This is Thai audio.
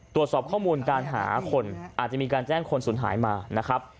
ตรวจสอบข้อมูลการหาคนอาจจะมีการแจ้งคนสูญหายมานะครับ